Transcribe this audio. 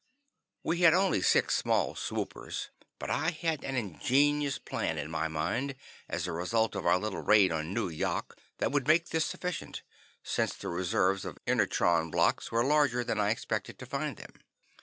We had only six small swoopers, but I had an ingenious plan in my mind, as the result of our little raid on Nu yok, that would make this sufficient, since the reserves of inertron blocks were larger than I expected to find them.